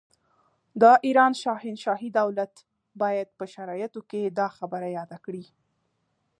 د ایران شاهنشاهي دولت باید په شرایطو کې دا خبره یاده کړي.